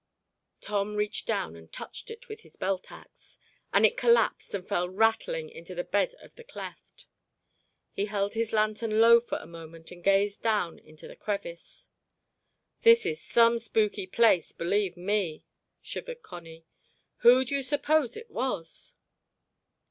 Tom reached down and touched it with his belt axe, and it collapsed and fell rattling into the bed of the cleft. He held his lantern low for a moment and gazed down into the crevice. "This is some spooky place, believe me," shivered Connie. "Who do you suppose it was?"